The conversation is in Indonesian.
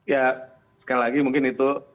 ya sekali lagi mungkin itu